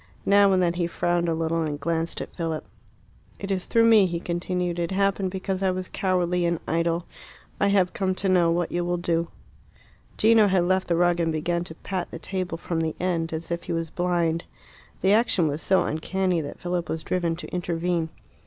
Now and then he frowned a little and glanced at Philip. "It is through me," he continued. "It happened because I was cowardly and idle. I have come to know what you will do." Gino had left the rug, and began to pat the table from the end, as if he was blind. The action was so uncanny that Philip was driven to intervene.